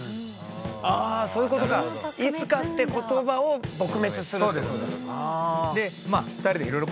あそういうことか「いつか」って言葉を撲滅するってことですか。